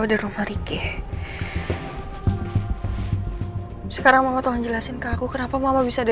sebenarnya kesempatan ini tidak terlalu baik untuk saya